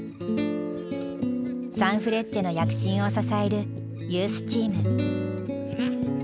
サンフレッチェの躍進を支えるユースチーム。